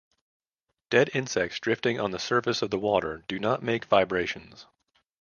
Dead insects drifting on the surface of the water do not make vibrations.